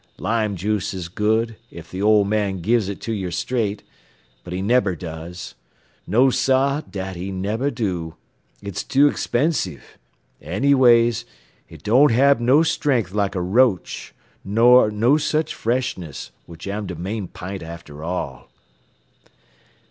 Lime juice is good, ef the ole man gives it to yer straight, but he nebber does. No, sah, dat he nebber do. It's too expensive. Anyways, it doan' hab no strength like er roach, ner no sech freshness, which am de main pint after all."